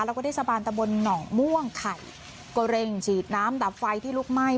แล้วก็เทศบาลตะบนหนองม่วงไข่ก็เร่งฉีดน้ำดับไฟที่ลุกไหม้